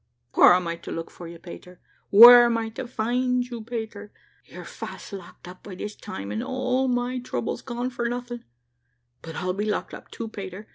Where am I to look for you, Pater? Where am I to find you, Pater? You're fast locked up by this time, and all my trouble's gone for nothing. But I'll be locked up too, Pater.